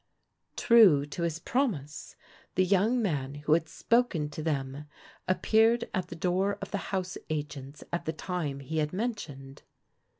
True to his promise the young man who had spoken to them appeared at the door of the house agents at the time he had mentioned.